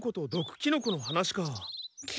キノコの話？